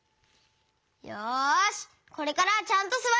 よしこれからはちゃんとすわるぞ！